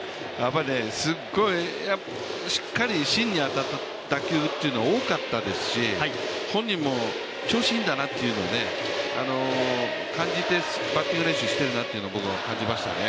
すっごいしっかり芯に当たった打球というのが多かったですし本人も調子いいんだなっていうので感じてバッティング練習しているなっていうのは僕、感じましたね。